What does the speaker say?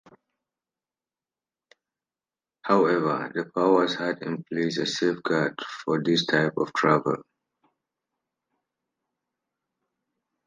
However, the Powers had in place a safeguard for this type of travel.